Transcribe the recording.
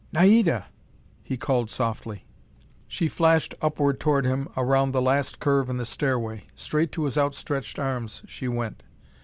"Naida!" he called softly. She flashed upward toward him around the last curve in the stairway. Straight to his outstretched arms she went.